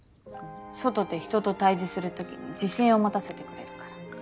外で人と対峙するときに自信を持たせてくれるから。